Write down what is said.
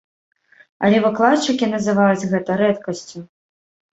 Але выкладчыкі называюць гэта рэдкасцю.